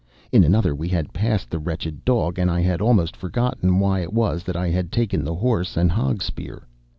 In another we had passed the wretched dog, and I had almost forgotten why it was that I had taken the horse and hogspear.